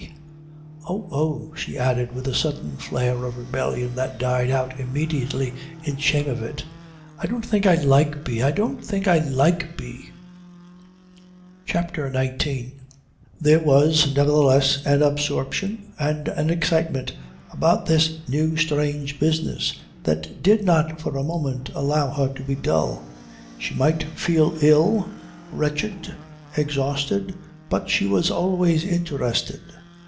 Oh, oh," she added with a sudden flare of rebellion that died out immediately in shame of it, "I don't think I like B I don't think I like B...." CHAPTER XIX There was nevertheless an absorption and an excitement about this new strange business that did not for a moment allow her to be dull. She might feel ill, wretched, exhausted, but she was always interested.